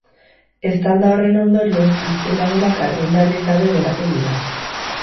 Eztanda horren ondorioz, bizilagunak argindarrik gabe geratu dira.